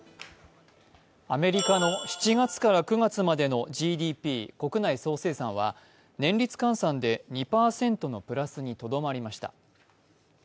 アメリカの７月から９月までのＧＤＰ＝国内総生産は年率換算で２％のプラスにとどまりました。